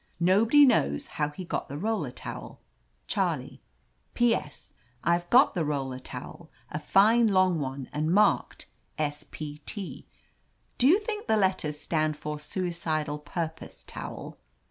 Nobody knows how he got the roller towel. Charlie.' "T. S. — I've got the roller towel, a fine long one and marked S. P. T. Do you think the letters stand for Suicidal Purpose Towel